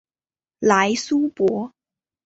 莱苏博。